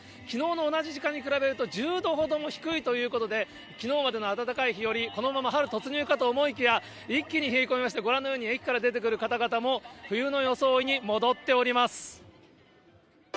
きのうの同じ時間と比べると１０度ほども低いということで、きのうまでの暖かい日より、このまま春突入かと思いきや、一気に冷え込みまして、ご覧のように、駅から出てくる方々も、冬の装いに戻っております。